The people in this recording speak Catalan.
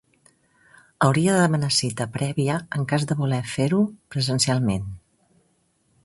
Hauria de demanar cita prèvia en cas de voler fer-ho presencialment.